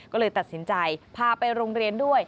ก็เลยตัดสินใจพาไปโรงเรียนด้วย